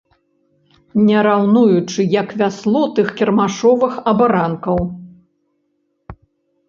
Не раўнуючы як вясло тых кірмашовых абаранкаў.